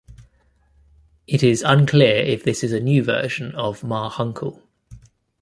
It is unclear if this is a new version of Ma Hunkel.